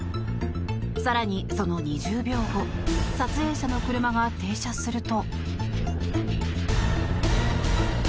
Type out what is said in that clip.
更に、その２０秒後撮影者の車が停車すると。